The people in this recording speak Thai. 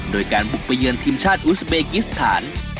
โดยการบุกไปเยือนทีมชาติอุสเบกิสถาน